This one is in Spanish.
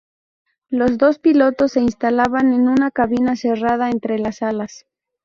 Los dos pilotos se instalaban en una cabina cerrada entre las alas.